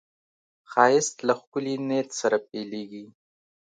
ښایست له ښکلي نیت سره پیلېږي